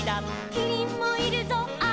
「キリンもいるぞあっちだ」